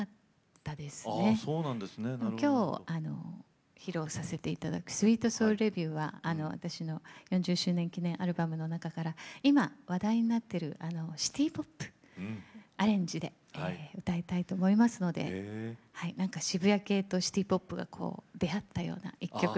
今日披露させて頂く「スウィート・ソウル・レヴュー」は私の４０周年記念アルバムの中から今話題になってるシティーポップアレンジで歌いたいと思いますので渋谷系とシティーポップが出会ったような１曲になってると思います。